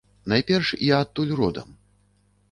Найперш, я адтуль родам.